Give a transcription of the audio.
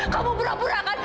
kamu pura pura kan